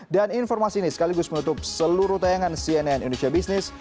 dan informasi ini sekaligus menutup seluruh tayangan cnn indonesia business